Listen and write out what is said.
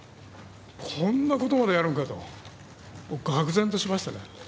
こんなことまでやるのかと、がく然としましたね。